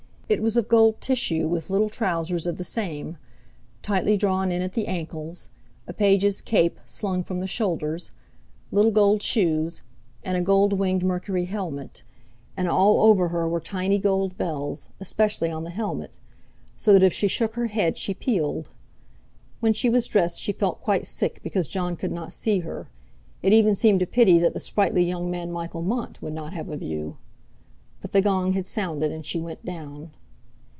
It was of gold tissue with little trousers of the same, tightly drawn in at the ankles, a page's cape slung from the shoulders, little gold shoes, and a gold winged Mercury helmet; and all over her were tiny gold bells, especially on the helmet; so that if she shook her head she pealed. When she was dressed she felt quite sick because Jon could not see her; it even seemed a pity that the sprightly young man Michael Mont would not have a view. But the gong had sounded, and she went down.